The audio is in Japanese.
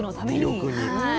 魅力にね。